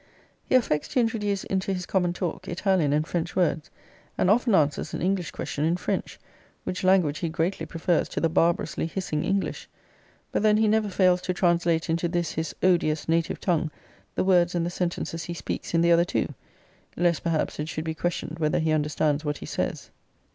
He affects to introduce into his common talk Italian and French words; and often answers an English question in French, which language he greatly prefers to the barbarously hissing English. But then he never fails to translate into this his odious native tongue the words and the sentences he speaks in the other two lest, perhaps, it should be questioned whether he understands what he says.